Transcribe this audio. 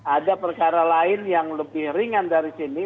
ada perkara lain yang lebih ringan dari sini